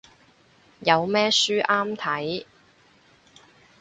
有咩書啱睇